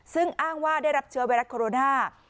ซึ่งอ้างว่าได้รับเชื้อไวรัสโคโรนา